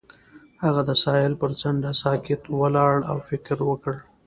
هغه د ساحل پر څنډه ساکت ولاړ او فکر وکړ.